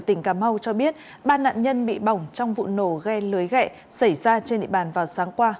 tỉnh cà mau cho biết ba nạn nhân bị bỏng trong vụ nổ ghe lưới gẹ xảy ra trên địa bàn vào sáng qua